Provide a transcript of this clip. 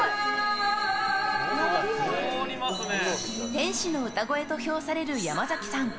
天使の歌声と評される山崎さん。